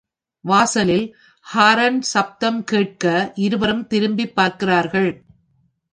வாசலில் ஹாரன் சப்தம் கேட்க இருவரும் திரும்பிப் பார்க்கிறார்கள்.